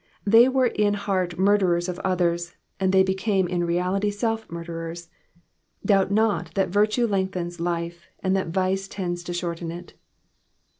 They were in heart murderers of others, and they became in reality self murderers. Doubt not that virtue lengthens life, and that vice tends to shorten it.